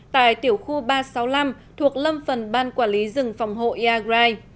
tại tiểu khu ba trăm sáu mươi năm thuộc lâm phần ban quản lý rừng phòng hộ iagrai